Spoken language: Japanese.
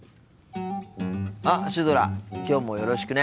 あっシュドラきょうもよろしくね。